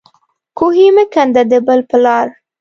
کوهی مه کنده د بل په لار.